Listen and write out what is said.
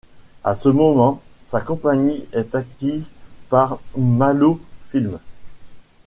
À ce moment, sa compagnie est acquise par Malofilm.